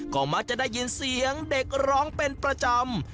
ก็มักจะได้ยินเสียงเด็กร้องเป็นประจำ